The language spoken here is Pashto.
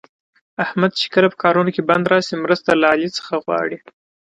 احمد چې کله په کارونو کې بند راشي، مرسته له علي څخه غواړي.